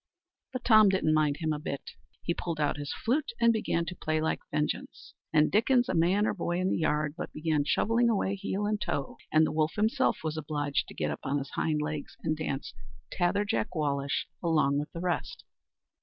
But Tom didn't mind him a bit. He pulled out his flute and began to play like vengeance; and dickens a man or boy in the yard but began shovelling away heel and toe, and the wolf himself was obliged to get on his hind legs and dance "Tatther Jack Walsh," along with the rest.